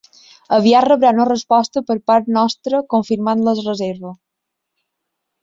Aviat rebrà una resposta per part nostre confirmant la reserva.